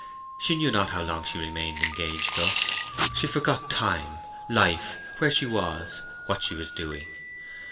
She knew not how long she remained engaged thus. She forgot time, life, where she was, what she was doing.